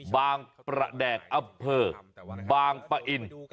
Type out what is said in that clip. บางประแดกอัภเผิกบางปะอิ่ม